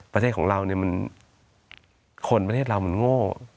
ประเทศของเราเนี่ยมันคนประเทศเรามันโง่